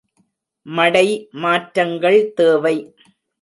மடை மாற்றங்கள் தேவை.